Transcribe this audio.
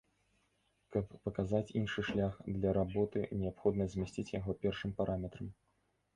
Каб паказаць іншы шлях для работы неабходна змясціць яго першым параметрам.